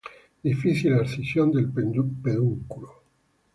Difícil abscisión del pedúnculo.